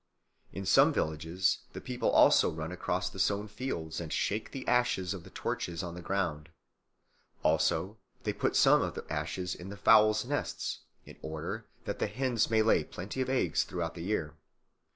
In some villages the people also run across the sown fields and shake the ashes of the torches on the ground; also they put some of the ashes in the fowls' nests, in order that the hens may lay plenty of eggs throughout the year.